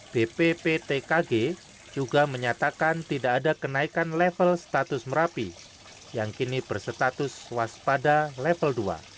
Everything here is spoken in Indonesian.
bpptkg juga menyatakan tidak ada kenaikan level status merapi yang kini berstatus waspada level dua